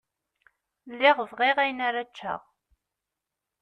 Lliɣ bɣiɣ ayen ara ččeɣ.